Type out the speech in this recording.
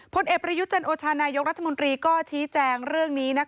พลเอกประยุจันโอชานายกรัฐมนตรีก็ชี้แจงเรื่องนี้